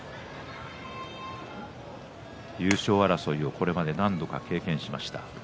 優勝争いは、これまで何度か経験しました。